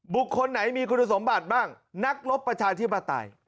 บุคคลไหนมีคุณสมบัติบ้างนักรบประชาธิปไตย